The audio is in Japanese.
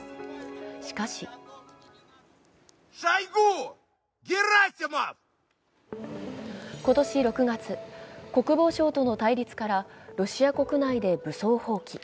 しかし今年６月、国防省との対立から、ロシア国内で武装蜂起。